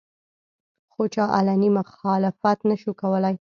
خو چا علني مخالفت نشو کولې